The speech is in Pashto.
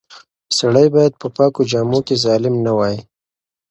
سړی باید په پاکو جامو کې ظالم نه وای.